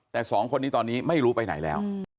แต่สองคนนี้ตอนนี้ไม่รู้ไปไหนแล้ว